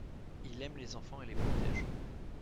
Il aime les enfants et les protège.